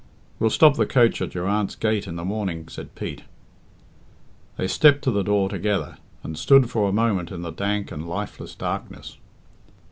"We'll stop the coach at your aunt's gate in the morning," said Pete. They stepped to the door together, and stood for a moment in the dank and lifeless darkness.